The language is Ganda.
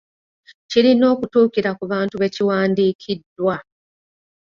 Kirina okutuukira ku bantu be kiwandiikiddwa.